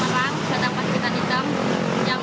tangkai batang padiketan hitam yang dibuatkan terus tadi disaring